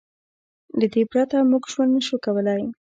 له دې پرته موږ ژوند نه شو کولی.